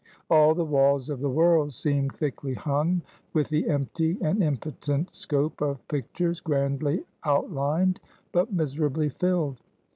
All the walls of the world seemed thickly hung with the empty and impotent scope of pictures, grandly outlined, but miserably filled.